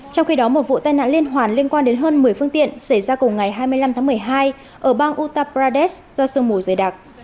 trong khi đó một vụ tai nạn liên hoàn liên quan đến hơn một mươi phương tiện xảy ra cùng ngày hai mươi năm tháng một mươi hai ở bang utta pradesh do sương mù dày đặc